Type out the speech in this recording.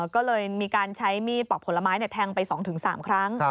ก็เลยมีการใช้มีดปอกผลไม้แทงไป๒๓ครั้ง